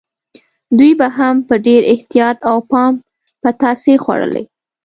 دوی به هم په ډېر احتیاط او پام پتاسې خوړلې.